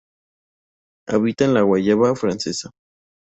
Habita en la Guayana francesa.